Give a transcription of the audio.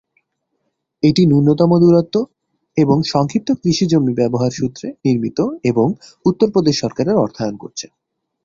এটি ন্যূনতম দূরত্ব এবং সংক্ষিপ্ত কৃষি জমি ব্যবহার সূত্রে নির্মিত এবং উত্তরপ্রদেশ সরকারের অর্থায়ন করেছে।